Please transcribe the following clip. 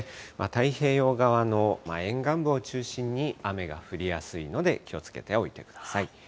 太平洋側の沿岸部を中心に雨が降りやすいので、気をつけておいてください。